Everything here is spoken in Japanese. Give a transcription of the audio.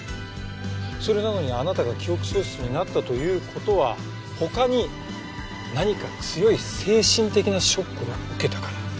それなのにあなたが記憶喪失になったという事は他に何か強い精神的なショックを受けたから。